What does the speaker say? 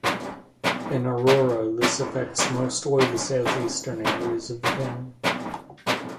In Aurora, this affects mostly the south-eastern areas of the town.